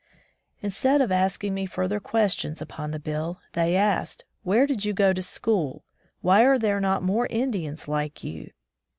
Instead of asking me further questions upon the bill, they asked : "Where did you go to school? Why are there not more Indians like you?"